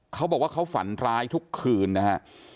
เขาบอกว่าเขาฝันร้ายทุกคืนนะฮะ